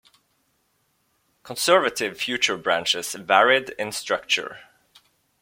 Conservative Future branches varied in structure.